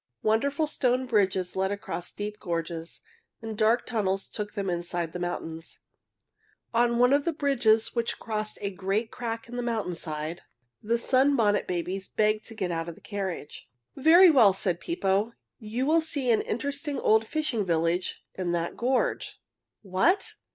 Wonderful stone bridges led across deep gorges, and dark tunnels took them inside the mountains. On one of the bridges which crossed a great crack in the mountain side the Sunbonnet Babies begged to get out of the carriage. "Very well," said Pippo. "You will see an interesting old fishing village in that gorge." "What!